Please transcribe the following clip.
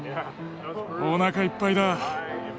おなかいっぱいだ。